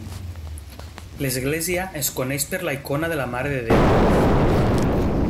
L'església es coneix per la icona de la Mare de Déu.